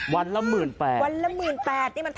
วันละ๑๘๐๐๐บาท